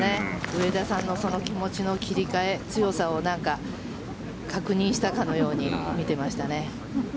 上田さんのその気持ちの切り替え強さを確認したかのように見てましたね。